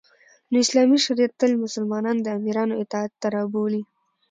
نو اسلامی شریعت تل مسلمانان د امیرانو اطاعت ته رابولی